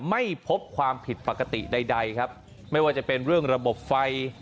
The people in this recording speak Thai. ไม่พบความผิดปกติใดใดครับไม่ว่าจะเป็นเรื่องระบบไฟ